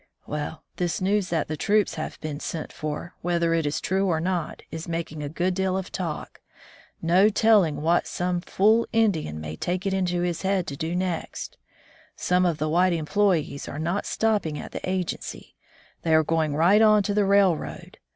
"Well, this news that the troops have been sent for, whether it is true or not, is making a good deal of talk. No telling what some fool Indian may take it into his head to do next. Some of the white employees 90 A Doctor among the Indians are not stopping at the agency, they are going right on to the raiboad.